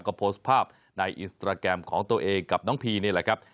ก็โพสต์ภาพในอินสตราแกรมของตัวเองกับน้องพีนี่แหละครับ